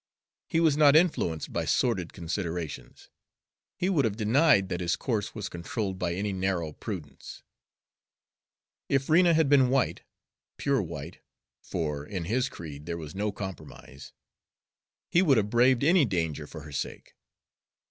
He was not influenced by sordid considerations; he would have denied that his course was controlled by any narrow prudence. If Rena had been white, pure white (for in his creed there was no compromise), he would have braved any danger for her sake.